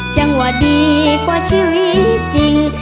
จังหวะดีกว่าชีวิตจริง